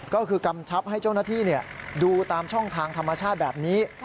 ก็คือกำชับให้เจ้าหน้าที่ดูตามช่องทางธรรมชาติแบบนี้